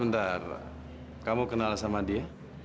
bentar kamu kenal sama dia